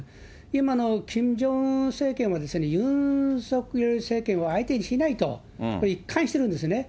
今のキム・ジョンウン政権はですね、ユン・ソンニョル政権を相手にしないと、これ一貫してるんですね。